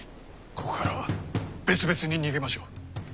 ここからは別々に逃げましょう。